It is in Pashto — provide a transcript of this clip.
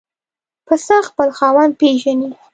پسه خپل خاوند پېژني.